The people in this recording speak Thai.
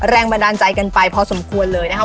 แรงบันดาลใจกันไปพอสมควรเลยนะครับ